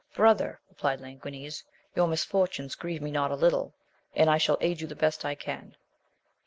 Brother, replied Languines, your misfortunes grieve me not a little, and I shaJl aid you the best I can.